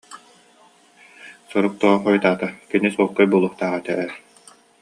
Сурук тоҕо хойутаата, кини чуолкай буолуохтаах этэ ээ